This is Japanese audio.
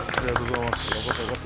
ありがとうございます。